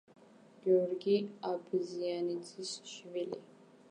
გიორგი აბზიანიძის შვილი.